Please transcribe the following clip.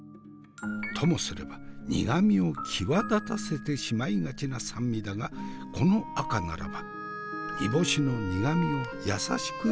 ともすれば苦味を際立たせてしまいがちな酸味だがこの赤ならば煮干しの苦味を優しく包み込んでくれるのじゃ。